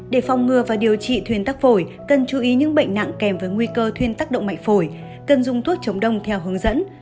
để phòng ngừa và điều trị thuyên tắc phổi cần chú ý những bệnh nặng kèm với nguy cơ thuyên tác động mạnh phổi cần dùng thuốc chống đông theo hướng dẫn